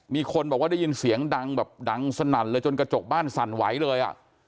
มีคนบอกว่าได้ยินเสียงดังแบบดังสนั่นเลยจนกระจกบ้านสั่นไหวเลยอ่ะ